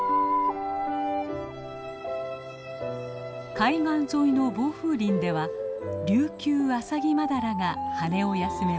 海岸沿いの防風林ではリュウキュウアサギマダラが羽を休めます。